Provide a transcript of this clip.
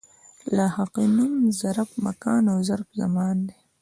د لاحقې نومان ظرف مکان او ظرف زمان دي.